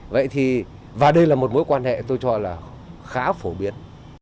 vậy thì và đây là một mối quan hệ tôi cho là khá phổ biến